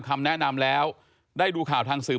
คำแนะนำแล้วได้ดูข่าวทางสื่อ